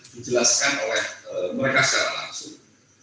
dijelaskan oleh mereka secara langsung